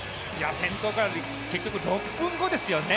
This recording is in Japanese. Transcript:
先頭から結局６分後ですよね。